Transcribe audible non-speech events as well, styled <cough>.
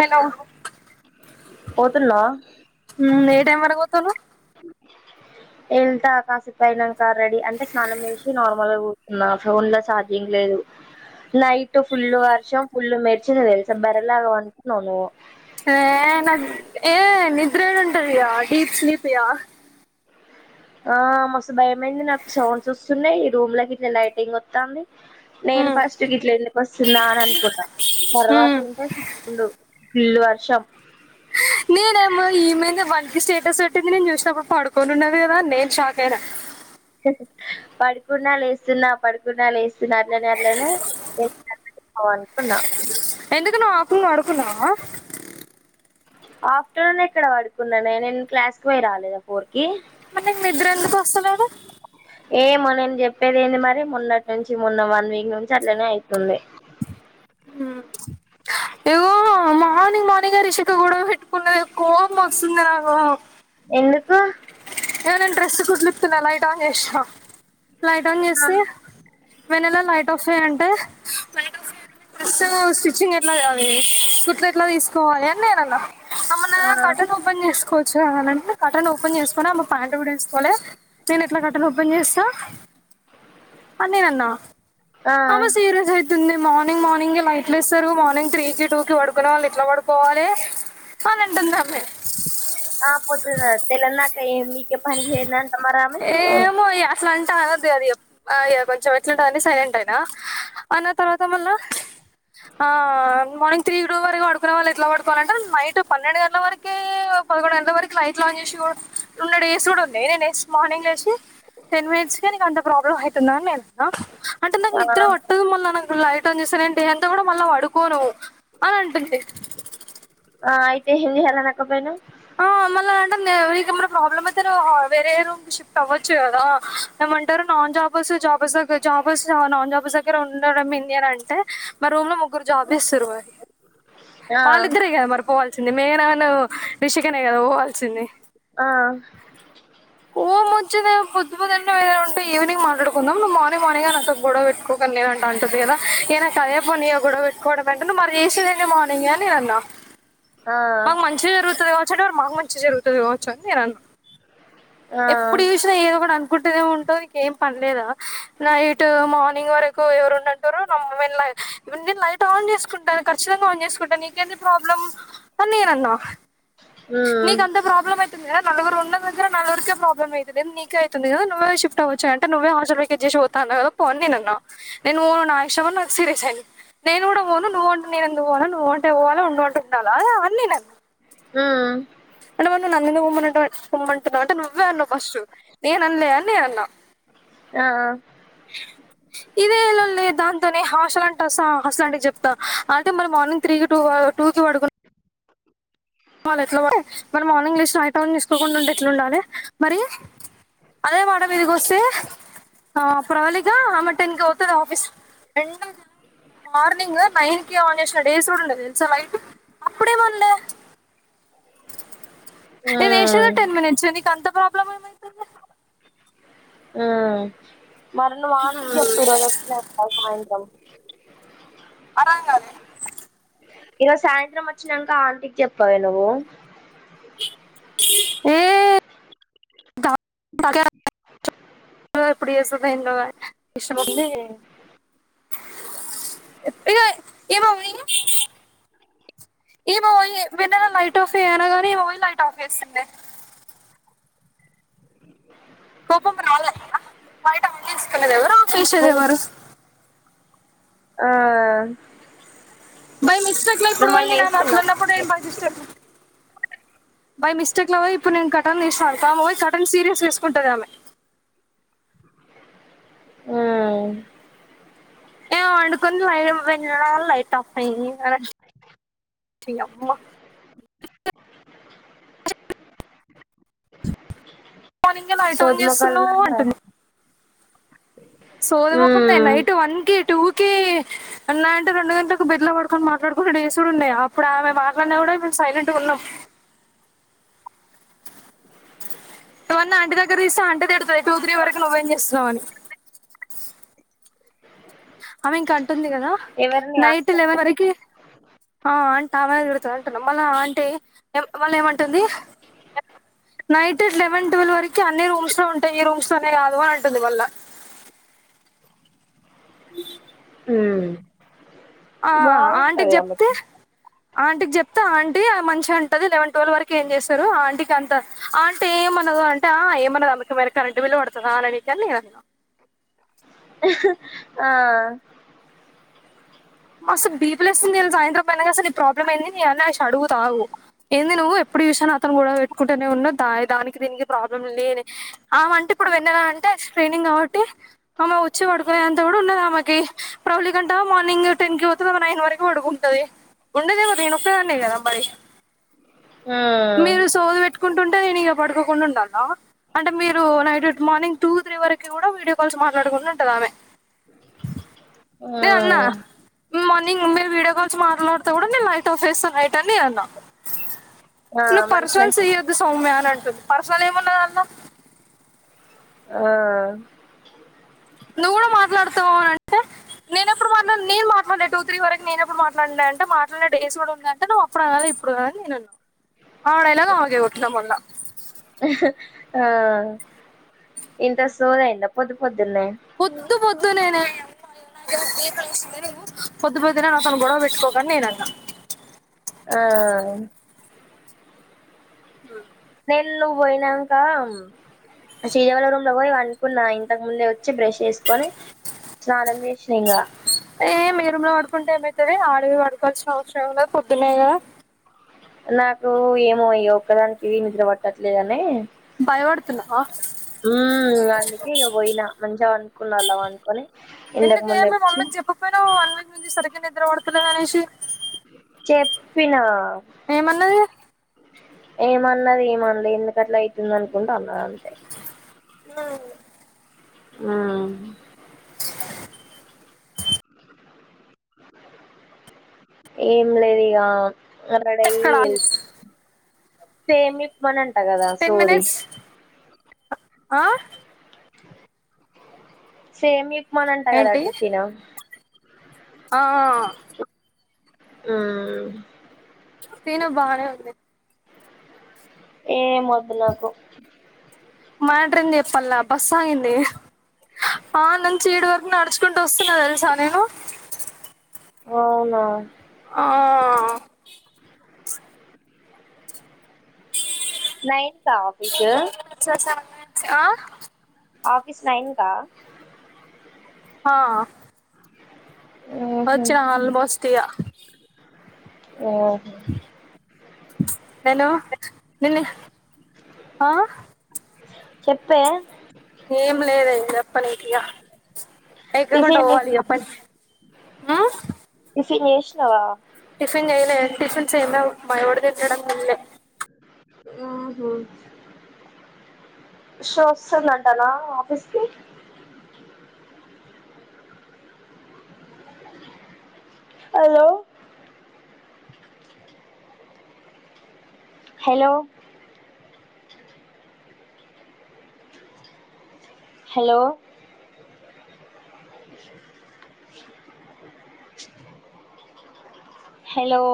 Hello పోతున్నా ఏ time వరకు పోతాన్నావ్ ఎళ్తా కాసేపోనాక రెడీ అంటే స్నానం వేసి నార్మల్ గా కూర్తున్నా ఫోన్ లో చఛార్జింగ్ లేదు నైట్ ఫుల్ వర్షం ఫుల్లు మెర్చి తెలుసా బెర్రలాగా అంటున్నా ను్వు ఆ నాగ్ ఏ నద్ర ఏడుంటదిగా డీప్ స్లీపిగా ఆ మస్తు భయమైంది నాకు సౌండ్స్ వస్తున్నాయి ఈ రూమ్ లో ఇట్లా లైటింగ్ వొత్తాంది నేను హ్మ్ ఫస్ట్ గిట్ల ఎందుకు వస్తుందా అని అనుకున్నా తర్వాత హ్మ్ ఏంటేండు ఫుల్ వర్షం నేనేమో ఈమద వన్కి స్టేటస్ పెట్టింది నేను చూసినప్పుడు పడుకోనిన్నాది కదా నేను షాక్ అయినా పడుకున్నా లేస్తున్నా పడుకున్నా లేస్తున్నా అట్లనే అట్లనేకో అనుకున్నాం ఎందుకు ను ఆకు అడుకున్నావ ఆఫ్టర్నూన్ ఎక్కడ పడుకున్నానే నేను క్లాస్కి పోయి రాలేదా ఫోర్త్ మరి నిద్ద్ర ఎందుకు వస్తలేదు ఏమో నేను చెప్పేది ఏంది మరి మొన్నటి నుంచి మొన్న వన్ వీక్ నుంచి అట్లనే ఐతుంది ఇగో మార్నింగ్ మార్నింగే రిషిక గొడవ పెట్టుకున్నది కోపం వస్తోంది నాకు ఎందుకు ఏవనేన్ డ్రెస్ కుట్లిప్తున్ననా లైట్ ఆన్ చేసినా లైట్ ఆన్ ఆ చేస్తే మేనెలా లైట్ ఆఫ్ అంటే ఆఫ్ స్టిచ్చింగ్ ఎట్లా అ స్ర్ ఎట్లా తీసుకోవాలి అని నేను అలా అమ్ నా ఆ కాటన్ ఓపెన్ చేసుకోని కొచు అనండి కటన్ ఓపన్ చేసుకు ప్యాంటు కూడా వేసుకోలే నేను ఎట్లా కర్టెన్ ఓపెన్ చేస్తా అని నేను అన్నా ఆ ఆమె సీరియస్ అయితుంది ఉంది మార్నింగ్ మార్నింగ్ లైట్లు ఇస్తారు మార్నింగ్ త్రీ కి టూ కి పడుకునే వాళ్ళు ఇట్లా పడుకోవాలి అని అంటుంది ఆమె ఆ పొద్దున తెలంగాట్ ఏం పీకే పనికి పోయిందంట మరి ఆమె అట్లాంటా గది అది అయ్యా కొంచెం ఎట్లుంట అని సైలెంట్ అయినా అన్న తర్వాత మళ్ళా ఆ మార్నింగ్ త్రీ టు వరకు పడుకునే వాళ్ళు ఎట్లా పడుకోవాల అంటే నైట్ పన్నెండు గంటల వరకి పదకొడు గంటల వరకు లైట్లు ఆన్ చేసి కూడా ఉం న్న డేస్ కూడా ఉన్నయి. నేనే మార్నింగ్ లేసి టెన్ మినిట్స్కె నీకు అంత ప్రాబ్లమయితుందా అని అన్నా అంటే నాకు ఆ నిద్ర వట్టదు మల్లా లైట్ ం చూసానంటి డే అంతా కూడా మళ్ళా పడుకోను అని అంటుంది. ఆ అయితే ఎం చేయాలి అనేకపోయినవు. ఆ మళ్ళా అంటుంది నీకెమైనా ప్రాబ్లమ్ అయితే నువ్వు వేరే రూమ్ షిఫ్ట్ అవ్వచ్చు కదా. ఏమంటరు నాన్ జాబర్స్ జాబర్స్ దగ్గర, జాబర్స్ నాన్ జాబర్స్ దగ్గర ఉండడం ఏందని అంటే మా రూమ్ లో ముగ్గురు జాబ్ చేస్తుర్రువే. ఆ వాళ్ళిద్దరేగా మరి పోవాలి సింది మెఘన అను రిషికనే కదా పోవాల్సింది. ఆ వచ్చిందె పొద్దు పొద్దున్నే ఏదన్న ఉంటే ఈనింగ్ మాట్లాడుకుందం. నువ్వు మార్నింగ్ మార్నింగ్ యే నాతో గొడవ పెట్టుకోకు నేను అంటే, అంటుంది కదా ఇగా అదే పని గొడవ పెట్టుకోవడమే. అంటే మరి చేసేది ఎందమ్మా. అని నేను అన్నా. ఆ మాకు మంచిగా జరుగుతది కా వచ్చు అంటే మాకు మంచిగా జరుగుతది కావచ్చు అని నేను అన్నా. ఆ ఎప్పుడు ఈ విషయం ఏదో ఒకటి అం అనుకుంటనే ఉంటవు నీకు ఎంపనిలేదా. నైట్ మార్నింగ్ వరకు ఎవరు ఉన్నంటార. నేను లైట్ ఆన్ చేసుకుంటాను, ఖచ్చింగా ఆన్ చేసు కుంటను నీకు ఎంది ప్రాబ్లమ్ అని నేను అన్నా. ఉమ్ నీకు అంత ప్రాబ్లమ్ అయి తుంది కదా నలుగురు ఉన్న దగ్గర నలుగురికే ప్రబ్లె అయితలేదు, నీకే అయితుంది కదా నువ్వే షిఫ్ట్ అవ్వచ్చు కదా, అంటే నువ్వే హాస్టల్ వెకేట్ చేసి పోతా అన్నవు కదా పో అన్నా. నేను పోను నా ఇష్టం అని సీరియస్ అయింది. నేను కూడా పోను నువ్వు పోఅంటే నేనెందుకు పోవాలి. నువ్వు పో అంటే పోవాలా ఉండు అంటే ఉండాలా అని నేను అన్నా. ఆ అంటే మరి నువ్వు నన్నెందుకు పొమ్మని అంటవు పొమ్మంటున్నవు అంటే నువ్వే అన్నవు ఫస్ట్ నేను అన్లే అని నేను అన్నా. ఆ ఇదే లొల్లె దాంతోని హాస్టల్ అంట అస్స హాస్లాంటివి చెప్తా అంటే మరి మార్నింగ్ త్రీ క టూ టూ కి పడుకున్నా వాళ్ళు ఎట్లా ఉ మరి మార్నింగ్ లేషి లైట్ ఆన్ చేసుకోకుండా ఉంటే ఎట్లా ఉండాలె. మరి అదే మాట మీదికి వస్తే ఆ ప్రవలికా ఆమె టెన్కి పోతది ఆఫీస్ మార్నింగ్ నైన్ కి ఆన్ చేసిన డేస్ కూడా ఉన్నయి తెలుసా లైట్. అప్పుడేమనలే నేను ఉమ్ ఏషిందే టెన్ మినిట్స్ నీకు అంత ప్రా ఆ మరి నువ్వు ఆంటికి చెప్పు ఈరోజు వస్తుందేమో సాయంత్రం. అరంగలే ఈరోజు సాయంత్రం వచ్చాక ఆంటికి చెప్పవె నువ్వు. ఎ <inaudible> కే ఎప్పుడు చేస్తుందో ఏందో డిస్టర్బ్ అవుతుంది ఇక ఏమో ఏమో వెన్నల లైట్ ఆఫ్ చేయి అనగానే ఈమె లైట్ ఆఫ్ చేస్తుంది కోపం రాాలయ బయట ఆన్ చేసుకుండేది ఎవరు చేసేది ఎవరు ఆ బై మిస్ <unintelligible> ఇప్పుడు నువ్వు పోయినా మళ్ళీ నాను అట్లున్నప్పుడు వేసుకున్నావా <unintelligible> సిస్టర్ బై మిస్టేక్లో పో ఇప్పుడు నేను కటన్ తీస్తాతాము పో కటన్ సీరియస్ తీేసుకుంటది ఆమె హ్మ్ ఏ వండుకుని లైట్ వెన్నల లైట్ ఆఫ్ అయి అని మార్నింగ్ లైట్ ఆన్ సోది మొఖాలు చేస్తున్నా ఉన్నారుగా అంటుంది సోది ముఖం ది ఉమ్ నైట్ వన్ కి టూ కి ఉన్నా అంటే రెండు గంటలకు బెడ్ లా పడుకొని మాట్లాడుకని డేసుడు ఉన్నాయి అప్పుడు ఆమె మాట్లాడినా కూడా మేము సైలెంట్గా ఉన్నాం ఆ ఇవి అన్ని ఆంటీ దగ్గర తీస్తే ఆంటీ తిడ్తది టూ త్రీ వరకు నువ్వు ఎమ్ చేస్తున్నావని అమె ఇంకా ఉంటుంది గదా ఎవరిని నైట్ ఆప లెవెన్ వరకి ఆ అం ఆమే తిడ్తాది మళ్ళ ఆంటీ అయి ఎమ్ మళ్ళ ఎమ్ అంటుంది నైట్ లెవెన్ టువెల్ వరకి అన్ని రూమ్స్లో ఉం ట్ ఈ రూమ్స్ అనే కాదు అంటుంది మళ్ళా హ్మ్ ఆ ఆంటీకి జెప్తే ఆంటీకి జెప్తే ఆంటీ మంచిగా అంటది లెవెన్ టువెల్ వరకి ఇంకేమ్ జేస్తారు ఆంటీకి అంత ఆంటీ ఏమనదు అంటే ఏమన్నద్ ఆమెకేమైన కరెంటు బిల్ పడ్తదా అని ఆమెకి నేను అన్నా ఆహ్ మస్త్ బీపీలేస్తుంద్తెల్సా సాయంత్రం పైన అసల్ నీ ప్రాబ్లం ఏంది అనేసి అడుగుతా అగు ఏంది నువ్వు ఎప్పుడ్ చుసిన నాతోని గొడవ్ బెట్టుకుంటనే ఉన్నవు దా దానికి దీనికి ప్రాబ్లం లేని ఆమె అంటే ఇప్పుడు వెన్నల అంటే ట్రైనింగ్ కాబట్టి ఆమె వచ్చి పడ్కోలే అంత కూడా ఉన్నది ఆమెకి ప్రవళికంటవా మార్నింగ్ టెన్ కి పోతదా నైన్ వరకు పడుకుంటది ఉండదే ఎవరు నేను ఒక్కదానే కదా మరి ఉమ్ మీరు సోది పెట్టుకుంటుంట్ నేను ఇగ పడ్కోకుండా ఉండాలనా అంటే మీరు నైట్ మార్నింగ్ టూ త్రీ వరకు కూడా వీడియో కాల్స్ మాట్లాడుకుండా ఉంటది ఆమె అ నేను అన్నా మార్నింగ్ మమ్మీ వీడియో కాల్స్ మాట్లాడ్తే కూడా నేన్ లై లైట్ ఆఫ్ చేస్తా నైట్ నేన్అన్న ఆ నువ్ మంచి పర్సనల్స్ మంచి సియ్యద్దు సౌమ్య అని అం స్ పర్సనల్ ఎమ్ ఉంది అందులో అ నువ్ గూడా మాట్లాడతావ్ అంటే నేనెప్పుడూ మాట్లాడ్న నీ మాట్లాడ్లే టూ త్రీ వరక్ నేనెప్పుడు మాట్లాడ్నా అంటే మాట్లాడే డేస్ కూడా ఉన్నాయ్ అంటే నువ్ అప్పుడు అనలి ఇప్పుడు గాదు అని నేన్అన్న ఆమె డైలాగ్ ఆమెకే కొట్నావ్ మొన్నా ఇహ్ ఆ ఇంతా సోద అయింద అప్ పొద్దుపొ పొద్దుపొద్ ద్దు నే నే <unintelligible> నాతోన్ గొడవ బెట్టుకోకని నేన్ అన్నా ఆ ఉ ల్ నువ్వు పొయినంక శ్రీధర్ అన్న రూమ్లో పోయి పనుకున్న ఇంతక్ ముందే వచ్చి బ్రష్ చేస్కొని స్నానం చేసిన ఇంగా ఏమ్ మీ రూమ్లో పడుకుంటే ఏమైతదే ఆడవోయ్ పడుకోవాల్సిన అవసరం ఏమునది పొద్దున్నే గదా నాకు ఏమో ఇమొ ఇగ ఒక్కదానికి నిద్ర పట్టట్లేదని భయపడుతున్నావా హుమ్ అందుకే ఇగా పోయిన మంచిగా పన్కున్న అన్లా పన్కొని ఇంతక్ ఎందుకే ముందే వచ్చి నిద్రవడ్తలేదనేసి చెప్పిన ఏమన్నది ఏ ఏమన్నది ఏమన్లె ఎందుకట్లా అయితుంది అనుకుంట అన్నది అంతే అవు ఆ ఏం లేదు ఇగ తోర్రడిఅయి ఇక్కడ ఎల్లిపొ సేమ్యా పనంట కదా టెన్ సోది మినిట్స్ ఆ సేమ్య ఉప్మా నంటా కదా ఏంటి టీఫిను ఆ ఉ తేను బానే ఉంది ఏం వొద్దు నాకు మ్యాట్రేంది చెప్పల్ల బస్ ఆగిందే ఆ నన్ ట్నుంచి ఈడ వరకు నడుచుకుంటూ వస్తున్నా తెలుసా నేను అవునా ఆ నైన్ కా ఆఫీసు ఆ ఆఫీస్ నైన్ కా ఆఆ ఊహూ వచ్చిన ఆల్ మోస్ట్ కియా ఓ హలో నిన్న ఆ చెప్పే ఏం లేదే పని అయితియా ఎకా గుంట టిఫిన్ చేసినవా పోవాలప్ప ఉమ్ హే యేష్నవా టిఫిన్ చేయిలే టిఫిన్స్ సేమియా ఉప్మా ఎవడు తుంటాడో తేల్లే ఉమ్ హ్మ్మ్ షో వస్తుందంటనా ఆఫీస్ కి హలో హలో హలో హలో